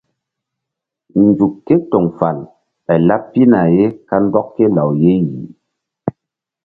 Nzuk ké toŋ fal ɓay laɓ pihna ye kandɔk ké law ye yih.